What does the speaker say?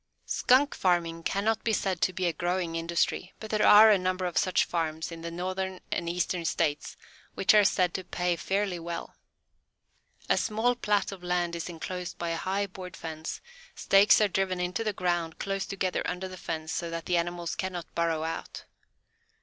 "Skunk Farming" cannot be said to be a growing industry, but there are a number of such "farms" in the northern and eastern states which are said to pay fairly well. A small plat of land is enclosed by a high board fence; stakes are driven into the ground close together under the fence so that the animals cannot burrow out.